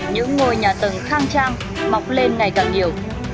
những ngôi nhà tầng khang trang mọc lên ngày càng nhiều